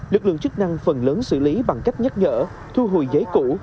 lực lượng chức năng phần lớn xử lý bằng cách nhắc nhở thu hồi giấy cũ